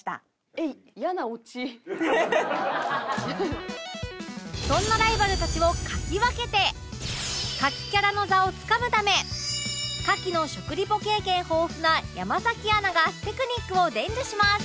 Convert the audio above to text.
ですがそんなライバルたちをかき分けて牡蠣キャラの座をつかむため牡蠣の食リポ経験豊富な山アナがテクニックを伝授します